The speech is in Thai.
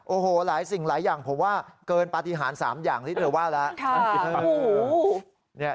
โอ้โหหลายสิ่งหลายอย่างผมว่าเกินปฏิหาร๓อย่างที่เธอว่าแล้ว